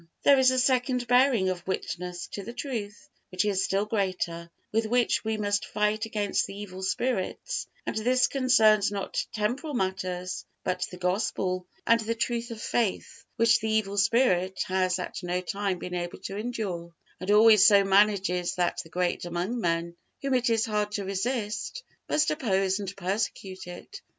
There is a second bearing of witness to the truth, which is still greater, with which we must fight against the evil spirits; and this concerns not temporal matters, but the Gospel and the truth of faith, which the evil spirit has at no time been able to endure, and always so manages that the great among men, whom it is hard to resist, must oppose and persecute it.